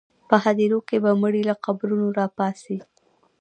په هدیرو کې به مړي له قبرونو راپاڅي.